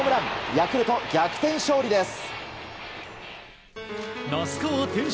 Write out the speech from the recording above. ヤクルト、逆転勝利です。